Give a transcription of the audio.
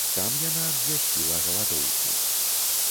Там яна абвясціла галадоўку.